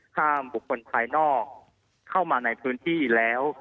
ห้ามบุคคลภายนอกเข้ามาในพื้นที่แล้ว